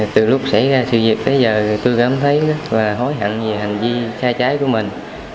từ lúc xảy ra sự việc tới giờ tôi cảm thấy và hối hận vì hành vi sai trái của mình